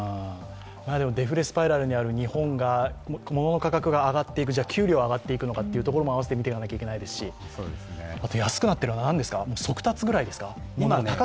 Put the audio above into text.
デフレスパイラルにある日本が物の価格が上がっていく、じゃ給料は上がっていくのかというところも併せて見ていかないといけないし安くなってるのは速達くらいですか。